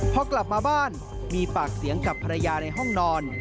พอกลับมาบ้านมีปากเสียงกับภรรยาในห้องนอน